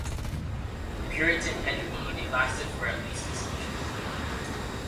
Puritan hegemony lasted for at least a century.